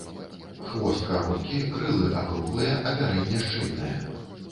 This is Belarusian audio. Хвост кароткі, крылы акруглыя, апярэнне шчыльнае.